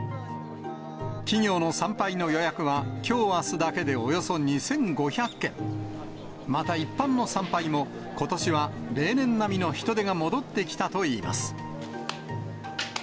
企業の参拝の予約は、きょうあすだけでおよそ２５００件、また、一般の参拝もことしは例年並みの人出が戻ってきたといいます。